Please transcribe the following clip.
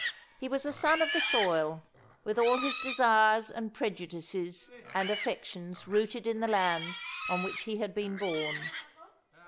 He was a son of the soil, with all his desires and prejudices and affections rooted in the land on which he had been born.